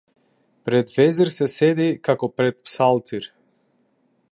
Пред везир се седи како пред псалтир!